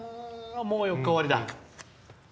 もう４日終わりだ。